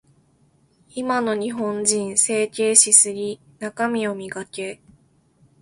今の日本人、整形しすぎ。中身を磨け。